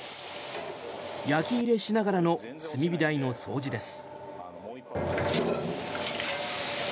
焼き入れしながらの炭火台の掃除です。